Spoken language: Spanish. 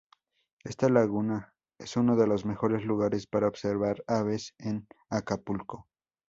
Esta laguna es uno de los mejores lugares para observar aves en Acapulco.